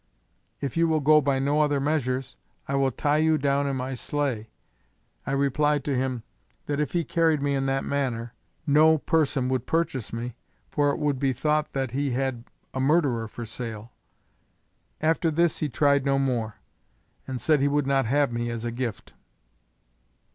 If you will go by no other measures, I will tie you down in my sleigh. I replied to him, that if he carried me in that manner, no person would purchase me, for it would be thought that he had a murderer for sale. After this he tried no more, and said he would not have me as a gift.